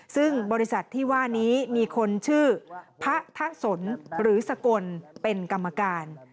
ซึ่งบริษัทที่ว่านี้มีคนชื่อพระทะสนหรือสกลเป็นกรรมการ